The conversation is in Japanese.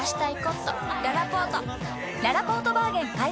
ららぽーとバーゲン開催！